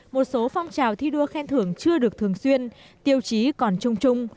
một số phong trào thi đua khen thưởng chưa được thường xuyên tiêu chí còn trung trung